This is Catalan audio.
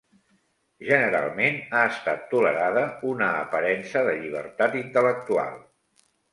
Generalment ha estat tolerada una aparença de llibertat intel·lectual.